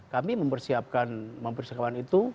kami mempersiapkan itu